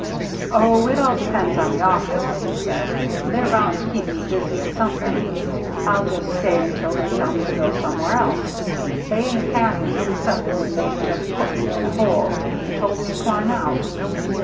"Oh, it all depends on the office," he said. "They're bound to keep me busy at something. I'll just stay until they tell me to go somewhere else. They ain't happy except when they've just put me in a hole and told me to climb out.